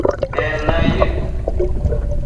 En naic nid